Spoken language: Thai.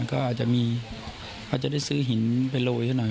ก็อาจจะมีอาจจะได้ซื้อหินไปโรยซะหน่อย